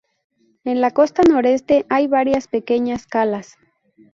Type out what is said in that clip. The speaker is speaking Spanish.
En la costa noreste, hay varias pequeñas calas.